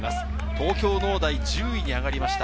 東京農大、１０位に入りました。